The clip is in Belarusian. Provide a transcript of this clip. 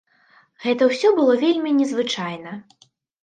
Гэта ўсё было вельмі не звычайна.